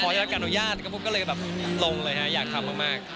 พอได้กระโนญาตก็เลยแบบลงเลยฮะอยากทำมาก